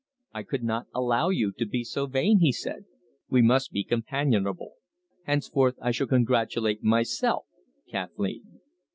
"I could not allow you to be so vain," he said. "We must be companionable. Henceforth I shall congratulate myself Kathleen."